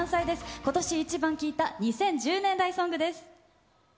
今年イチバン聴いた２０１０年代ソングです。